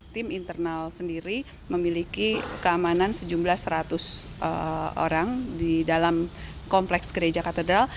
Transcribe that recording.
tim internal sendiri memiliki keamanan sejumlah seratus orang di dalam kompleks gereja katedral